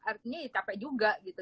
artinya capek juga gitu